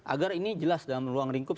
agar ini jelas dalam ruang lingkup